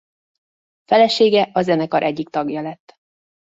Felesége a zenekar egyik tagja lett.